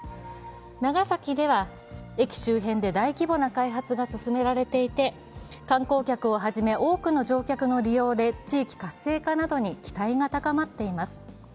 長崎では、駅周辺で大規模な開発が進められていて、観光客をはじめ多くの利用客の増加で地域活性化などに期待が高まっています。